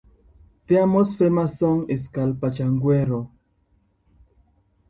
Their most famous song is "Cali Pachanguero".